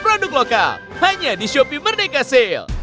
produk lokal hanya di shopee merdeka sale